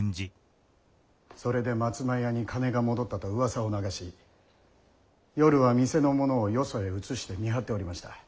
それで松前屋に金が戻ったと噂を流し夜は店の者をよそへ移して見張っておりました。